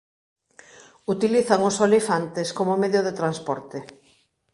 Utilizan os Olifantes como medio de transporte.